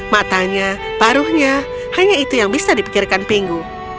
matanya paruhnya hanya itu yang bisa dipikirkan pingu